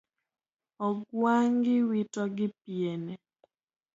Ogwangiwito gi piene